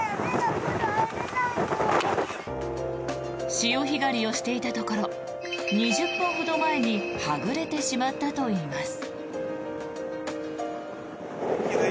潮干狩りをしていたところ２０分ほど前にはぐれてしまったといいます。